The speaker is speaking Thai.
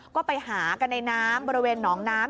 ก็ไปหากันในน้ำบริเวณหนองน้ำ